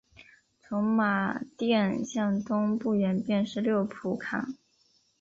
从马甸向东不远便是六铺炕。